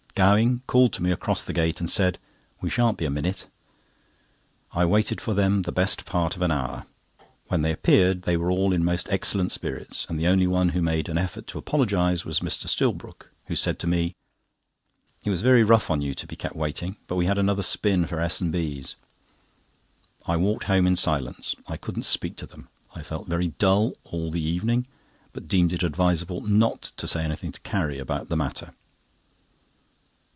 Gowing called to me across the gate, and said: "We shan't be a minute." I waited for them the best part of an hour. When they appeared they were all in most excellent spirits, and the only one who made an effort to apologise was Mr. Stillbrook, who said to me: "It was very rough on you to be kept waiting, but we had another spin for S. and B.'s." I walked home in silence; I couldn't speak to them. I felt very dull all the evening, but deemed it advisable not to say anything to Carrie about the matter.